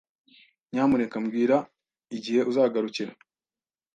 Nyamuneka mbwira igihe uzagarukira.